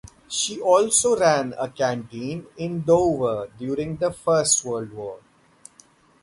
She also ran a canteen in Dover during the First World War.